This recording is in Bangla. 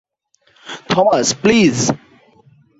Thomas, please!